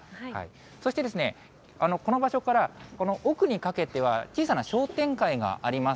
そしてですね、この場所から、この奥にかけては、小さな商店街があります。